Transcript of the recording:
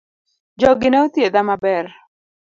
Jogi ne othiedha maber